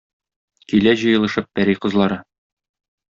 Килә җыелышып пәри кызлары.